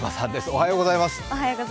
おはようございます。